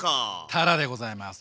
たらでございます。